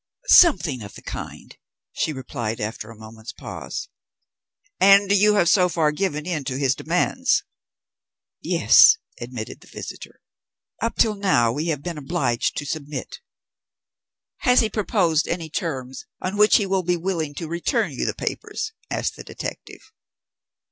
"Something of the kind," she replied after a moment's pause. "And you have so far given in to his demands?" "Yes," admitted the visitor. "Up till now we have been obliged to submit." "Has he proposed any terms on which he will be willing to return you the papers?" asked the detective.